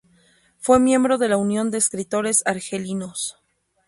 Fue miembro de la Unión de Escritores Argelinos.